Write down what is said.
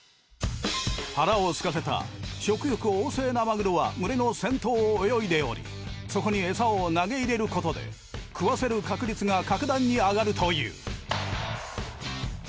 腹を空かせた食欲旺盛なマグロは群れの先頭を泳いでおりそこにエサを投げ入れることで喰わせる確率が格段に上がるという。